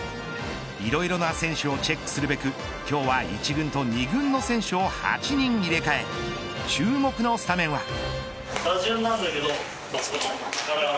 いろいろな選手をチェックすべく今日は１軍と２軍の選手を８人入れ替え注目のスタメンは。